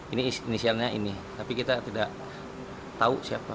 ini inisialnya ini tapi kita tidak tahu siapa